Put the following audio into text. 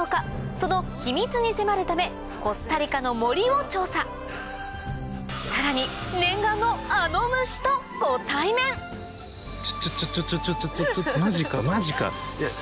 その秘密に迫るためコスタリカの森を調査さらに念願のあの虫とご対面ちょっちょっちょっ。